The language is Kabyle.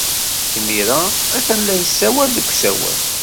Imir-a, atan la yessawal deg usawal.